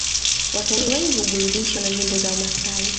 Watalii wengi huburudishwa na nyimbo za wamasai